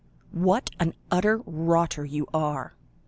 "What an utter rotter you are!"